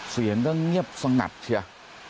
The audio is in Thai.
เสียงก็เงียบสงัดเชีย